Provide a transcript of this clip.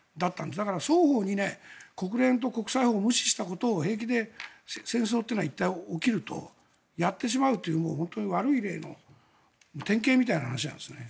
だから双方に国連とか国際法を無視したことを平気で戦争がいったん起きるとやってしまうという本当に悪い例の典型みたいな話なんですね。